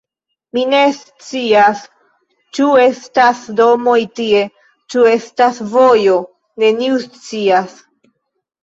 Ni ne scias, ĉu estas domoj tie, ĉu estas vojo. Neniu scias.